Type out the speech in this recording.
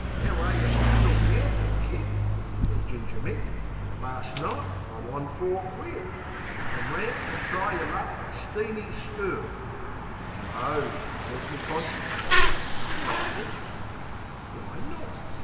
"'Ow are yeh on a little gamble, Kid?" Sez Ginger Mick. "Lars' night I'm on four quid. Come 'round an' try yer luck at Steeny's school." "No," sez me conscience. Then I thinks, "Why not?